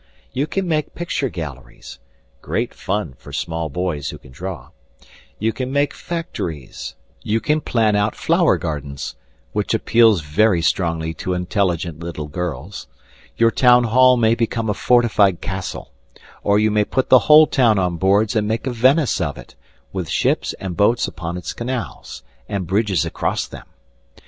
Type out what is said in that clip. You can make picture galleries great fun for small boys who can draw; you can make factories; you can plan out flower gardens which appeals very strongly to intelligent little girls; your town hall may become a fortified castle; or you may put the whole town on boards and make a Venice of it, with ships and boats upon its canals, and bridges across them.